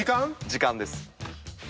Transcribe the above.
時間です。